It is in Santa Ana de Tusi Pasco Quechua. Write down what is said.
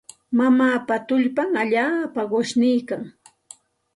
Mamaapa tullpan allaapa qushniikan.